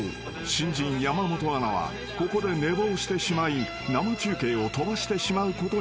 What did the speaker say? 新人山本アナはここで寝坊してしまい生中継を飛ばしてしまうことになる］